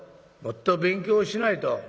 もっと勉強しないと。